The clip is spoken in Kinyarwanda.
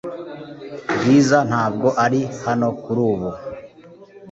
Bwiza ntabwo ari hano kurubu .